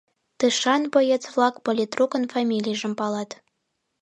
Тышан боец-влак политрукын фамилийжым палат.